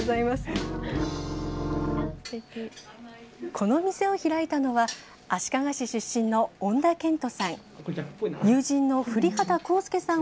この店を開いたのは、足利市出身の恩田賢人さん。